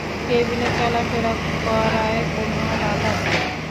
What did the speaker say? কেবিনে চলাফেরা করায় কোন বাধা নেই।